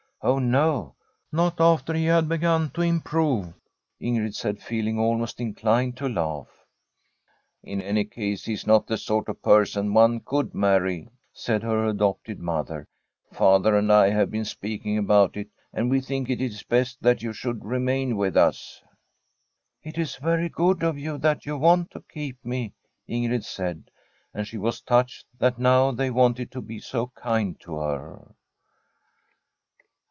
* Oh no ! Not after he had begun to improve,* Ing^d said, feeling almost inclined to laugh. * In any case, he is not the sort of person one could marry,' said her adopted mother. * Father and I have been speaking about it, and we think it is best that you should remain with us.' * It is very good of you that you want to keep me,' Ingrid said. And she was touched that now they wanted to be so kind to her.